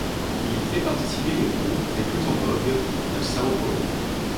Il fait participer les groupes les plus en vogue de São Paulo.